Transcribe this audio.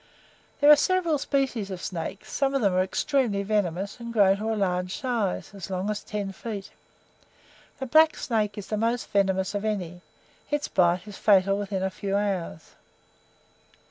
There are several species of snakes, some of them are extremely venomous and grow to a large size, as long as ten feet. The black snake is the most venomous of any; its bite is fatal within a few hours.